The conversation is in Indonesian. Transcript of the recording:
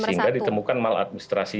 sehingga ditemukan maladministrasi